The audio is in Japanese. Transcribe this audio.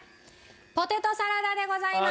ポテトサラダでございます！